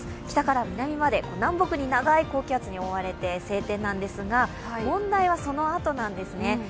北から南まで南北に長い高気圧に覆われて晴天なんですが、問題はそのあとなんですね。